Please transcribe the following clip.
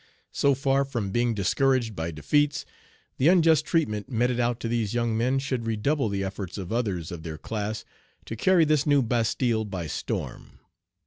So far from being discouraged by defeats, the unjust treatment meted out to these young men should redouble the efforts of others of their class to carry this new Bastile by storm.